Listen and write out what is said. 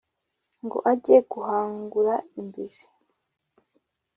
Ngo ajye guhangura Imbizi .